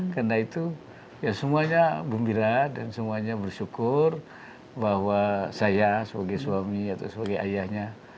karena itu semuanya gembira dan semuanya bersyukur bahwa saya sebagai suami atau sebagai ayahnya